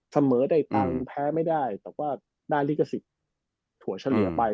เสมอได้ตังค์แพ้ไม่ได้แต่ว่าได้ลิขสิทธิ์ถั่วเฉลี่ยไป